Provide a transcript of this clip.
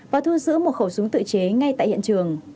và thu giữ một khẩu súng tự chế ngay tại hiện trường